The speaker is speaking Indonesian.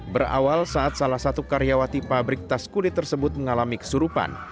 berawal saat salah satu karyawati pabrik tas kulit tersebut mengalami kesurupan